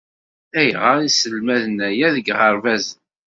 Ayɣer i sselmaden aya deg iɣerbazen?